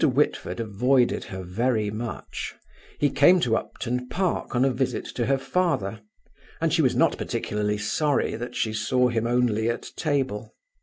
Whitford avoided her very much. He came to Upton Park on a visit to her father, and she was not particularly sorry that she saw him only at table.